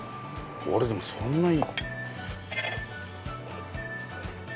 俺でもそんなに。